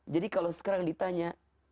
jadi kalau sekarang ditanya